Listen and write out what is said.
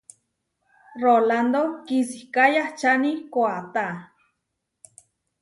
Rolándo kisiká yahčáni koatá.